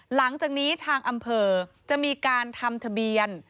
หลังจากนี้ทางอำเภอจะมีการทำทะเบียน